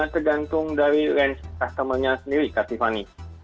tergantung dari range customer nya sendiri kak tiffany